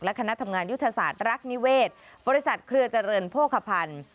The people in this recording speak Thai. คณะทำงานยุทธศาสตร์รักนิเวศบริษัทเครือเจริญโภคภัณฑ์